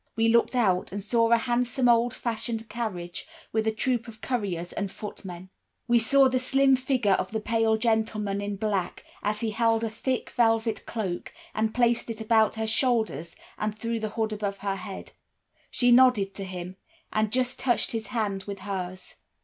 We looked out, and saw a handsome old fashioned carriage, with a troop of couriers and footmen. We saw the slim figure of the pale gentleman in black, as he held a thick velvet cloak, and placed it about her shoulders and threw the hood over her head. She nodded to him, and just touched his hand with hers.